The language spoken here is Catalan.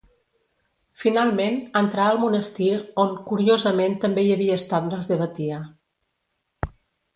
Finalment entrà al monestir on curiosament també hi havia estat la seva tia.